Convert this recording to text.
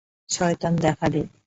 শয়তান দেখা দে!